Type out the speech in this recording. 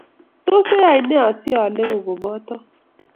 Tos ayai ne asialeku kubotok.